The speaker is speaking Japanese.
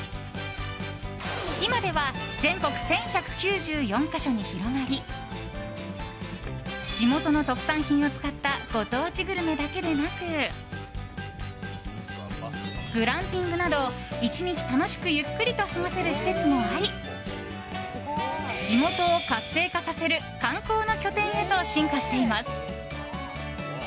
今では全国１１９４か所に広がり地元の特産品を使ったご当地グルメだけでなくグランピングなど１日楽しくゆっくりと過ごせる施設もあり地元を活性化させる観光の拠点へと進化しています。